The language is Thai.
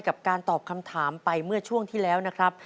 กับการตอบคำถามไปเมื่อช่วงที่แล้วนะครับ